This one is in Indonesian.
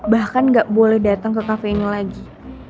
bahkan gak boleh datang ke cafe ini lagi